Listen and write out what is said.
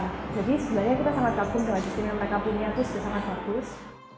jadi sebenarnya kita sangat takut dengan sistem yang mereka punya itu sudah sangat bagus